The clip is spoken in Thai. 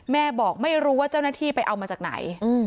แม่บอกไม่รู้ว่าเจ้าหน้าที่ไปเอามาจากไหน